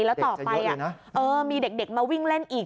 แล้วต่อไปมีเด็กมาวิ่งเล่นอีก